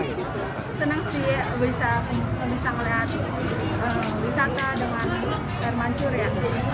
senang sih bisa melihat wisata dengan termasuk ya